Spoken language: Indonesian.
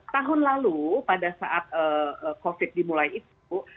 tahun lalu pada saat covid dimulai itu